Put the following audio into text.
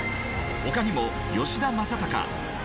他にも吉田正尚